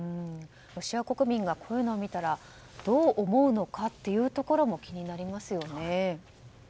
ロシア国民がこういうものを見たらどう思うのかというところも気になりますよね。